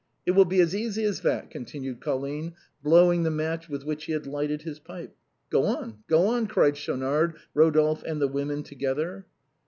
" It will be as easy as that," continued Colline, blowing out the match with Avhich he had lighted his pipe. " Go on ! go on !" cried Schaunard, Rodolphe, and the women together.